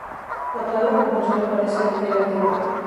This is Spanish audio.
La palabra conjunción parece aludir al temple.